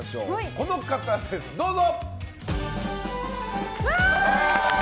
この方です、どうぞ！